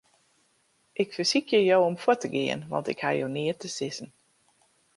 Ik fersykje jo om fuort te gean, want ik haw jo neat te sizzen.